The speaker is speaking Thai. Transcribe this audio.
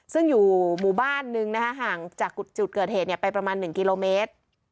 ซึ่งอยู่หมู่บ้านนึงนะคะห่างจากจุดเกิดเหตุไปประมาณ๑กิโลเมตร